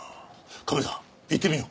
カメさん行ってみよう。